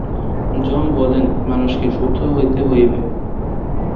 যম বলেন, মানুষকে শুদ্ধ হইতে হইবে।